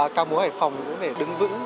cao múa hải phòng cũng để đứng vững